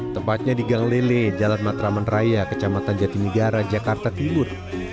tempatnya di gang lele jalan matraman raya kecamatan jatinegara jakarta timur